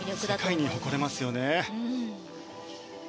世界に誇れますよね。